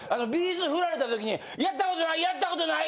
’ｚ振られた時に「やったことない！